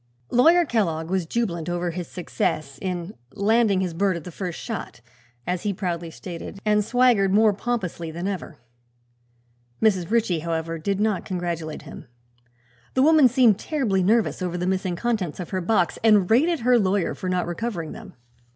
Lawyer Kellogg was jubilant over his success in "landing his bird at the first shot," as he proudly stated, and swaggered more pompously than ever. Mrs. Ritchie, however did not congratulate him. The woman seemed terribly nervous over the missing contents of her box and rated her lawyer for not recovering them.